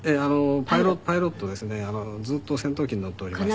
パイロットですねずっと戦闘機に乗っておりまして。